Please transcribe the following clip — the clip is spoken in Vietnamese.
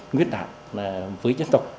nguyên đạt với dân tộc